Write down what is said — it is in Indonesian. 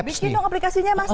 bikin dong aplikasinya master